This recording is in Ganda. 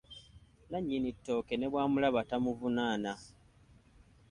Nnannyini ttooke ne bwamulaba tamuvunaana.